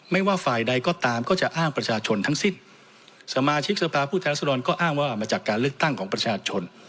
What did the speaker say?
ไม่ว่าฝ่ายใดก็ตามก็จะอ้างประชาชนทั้งสิ้นสมาชิกสภาพผู้แทนรัศดรก็อ้างว่ามาจากการเลือกตั้งของประชาชน